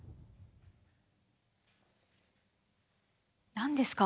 何ですか？